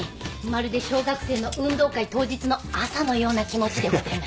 まるで小学生の運動会当日の朝のような気持ちでございます。